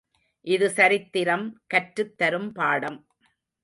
இது சரித்திரம் கற்றுத் தரும் பாடம்.